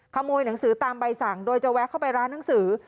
หนังสือตามใบสั่งโดยจะแวะเข้าไปร้านหนังสือ